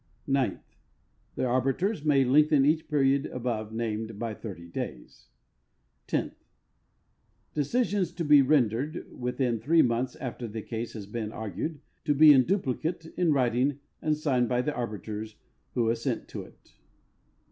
Ninth. The arbiters may lengthen each period above named by 30 days. Tenth. Decision to be rendered within three months after the case has been argued, to be in dujjlicate, in writing, and signed by the arbiters who assent to it.